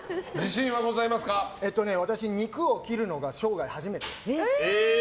私は肉を切るのが生涯初めてです。